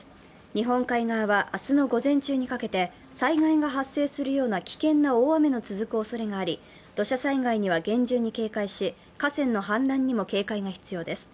日本海側は明日の午前中にかけて、災害が発生するような危険な大雨の続くおそれがあり土砂災害には厳重に警戒し河川の氾濫にも警戒が必要です。